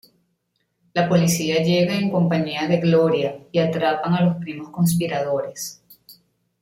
La policía llega en compañía de Gloria, y atrapan a los primos conspiradores.